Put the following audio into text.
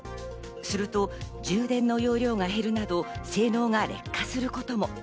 すると充電の容量が減るなど、性能が劣化することも。